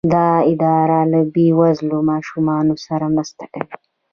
دا اداره له بې وزلو ماشومانو سره مرسته کوي.